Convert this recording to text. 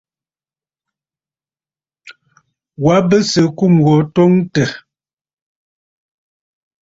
Wa bɨ sɨ̀ ɨkum gho twoŋtə̀.